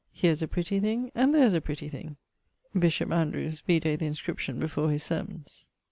Here's a pretty thing, and there's a pretty thing! Bishop Andrews: vide the inscription before his Sermons.